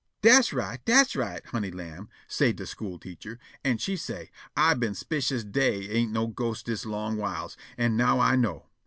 "Das right; das right, honey lamb," say' de school teacher. And she say': "I been s'picious dey ain' no ghostes dis long whiles, an' now I know.